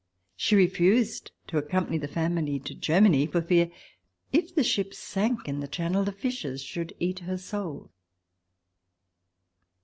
She refused to accompany the family to Germany for fear, if the ship sank in the Channel, the fishes should eat her soul.